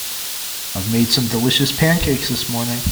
I've made some delicious pancakes this morning.